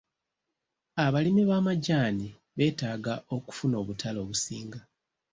Abalimi b'amajaani beetaaga okufuna obutale obusinga.